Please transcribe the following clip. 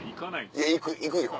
いや行くよ。